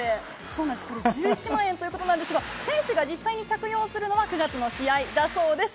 そうなんです、これ、１１万円ということなんですが、選手が実際に着用するのは９月の試合だそうです。